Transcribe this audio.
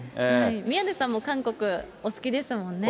宮根さんも韓国お好きですもんね。